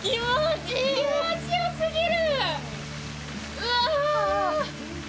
気持ちよすぎる。